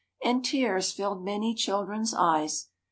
And tears filled many children's eyes.